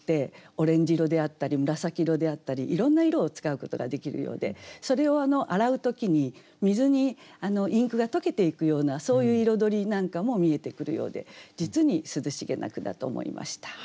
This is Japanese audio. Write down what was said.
オレンジ色であったり紫色であったりいろんな色を使うことができるようでそれを洗う時に水にインクが溶けていくようなそういう彩りなんかも見えてくるようで実に涼しげな句だと思いました。